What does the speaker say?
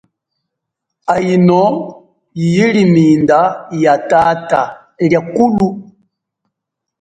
Aino yile minda ya tata liakulu.